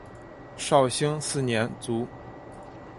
绍兴四年卒。